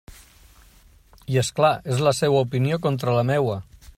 I és clar, és la seua opinió contra la meua.